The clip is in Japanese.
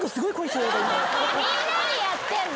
みんなにやってんの。